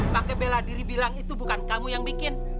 pakai bela diri bilang itu bukan kamu yang bikin